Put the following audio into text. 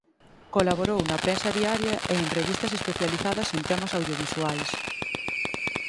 Colaborou na prensa diaria e en revistas especializadas en temas audiovisuais.